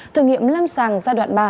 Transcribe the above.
thử nghiệm lâm sàng giai đoạn ba